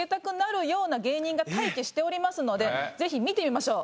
待機しておりますのでぜひ見てみましょう。